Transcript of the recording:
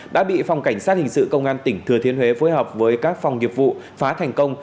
đã bị phòng cảnh sát hình sự công an tỉnh thừa thiên huế phối hợp với các phòng nghiệp vụ phá thành công